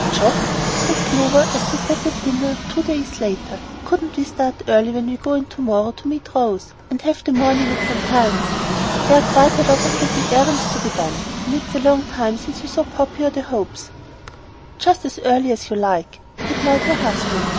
"GEOFF," said Clover as they sat at dinner two days later, "couldn't we start early when we go in to morrow to meet Rose, and have the morning at St. Helen's? There are quite a lot of little errands to be done, and it's a long time since we saw Poppy or the Hopes." "Just as early as you like," replied her husband.